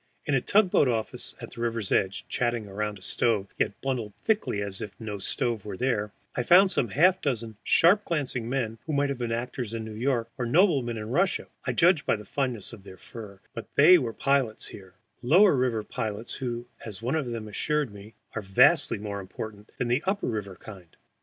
In a tug boat office at the river's edge, chatting around a stove, yet bundled thickly as if no stove were there, I found some half dozen sharp glancing men, who might have been actors in New York or noblemen in Russia (I judge by the fineness of their furs), but were pilots here, lower river pilots who, as one of them assured me, are vastly more important than the upper river kind.